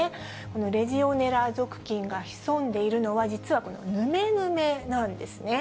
レジオネラ属菌が潜んでいるのは、実はぬめぬめなんですね。